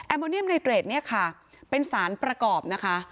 โมเนียมในเตรดเนี่ยค่ะเป็นสารประกอบนะคะ